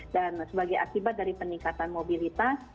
dan sebagai akibat dari peningkatan mobilitas